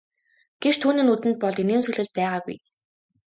Гэвч түүний нүдэнд бол инээмсэглэл байгаагүй.